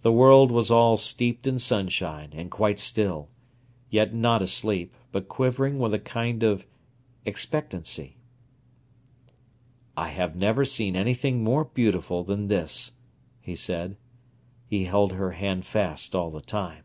The world was all steeped in sunshine, and quite still, yet not asleep, but quivering with a kind of expectancy. "I have never seen anything more beautiful than this," he said. He held her hand fast all the time.